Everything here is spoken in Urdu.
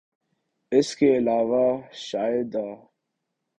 اس کے علاوہ شاید آ